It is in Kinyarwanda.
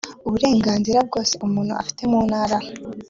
uburenganzira bwose umuntu afite mu ntara